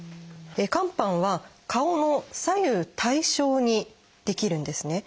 肝斑は顔の左右対称に出来るんですね。